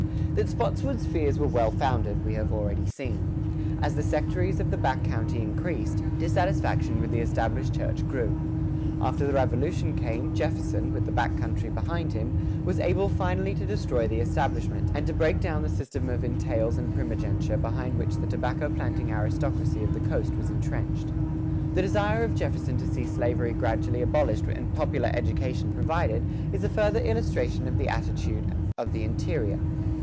That Spotswood's fears were well founded, we have already seen. As the sectaries of the back country increased, dissatisfaction with the established church grew. After the Revolution came, Jefferson, with the back country behind him, was able finally to destroy the establishment, and to break down the system of entails and primogeniture behind which the tobacco planting aristocracy of the coast was entrenched. The desire of Jefferson to see slavery gradually abolished and popular education provided, is a further illustration of the attitude of the interior.